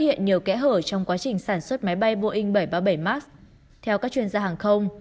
hiện nhiều kẽ hở trong quá trình sản xuất máy bay boeing bảy trăm ba mươi bảy max theo các chuyên gia hàng không